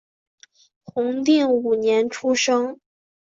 弘定五年出生。